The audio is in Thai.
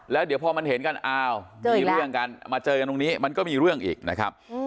แล้วเดี๋ยวพอมันเห็นกันอ้าวมีเรื่องกันมาเจอกันตรงนี้มันก็มีเรื่องอีกนะครับ